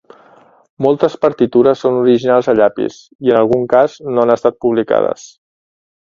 Moltes partitures són originals a llapis i en algun cas no han estat publicades.